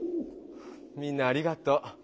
みんなありがとう。